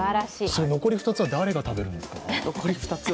残り２つは誰が食べるんですか？